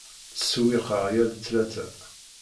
Ttsewwiqeɣ yal ttlata.